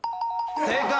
正解。